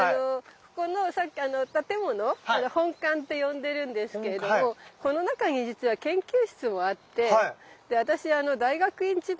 ここの建物本館って呼んでるんですけれどもこの中にじつは研究室もあって私大学院時代